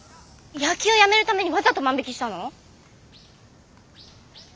野球やめるためにわざと万引きしたの！？